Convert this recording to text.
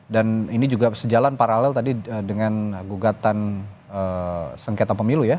dan ini juga sejalan paralel tadi dengan gugatan sengketa pemilu ya